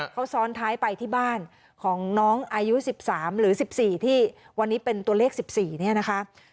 เขาซ้อนท้ายไปที่บ้านของน้องอายุ๑๓หรือ๑๔ที่วันนี้เป็นตัวเลข๑๔เนี่ยนะคะ